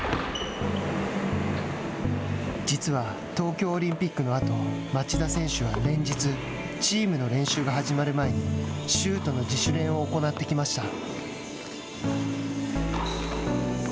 実は東京オリンピックのあと町田選手は連日チームの練習が始まる前にシュートの自主練を行ってきました。